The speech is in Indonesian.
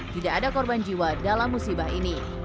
tidak ada korban jiwa dalam musibah ini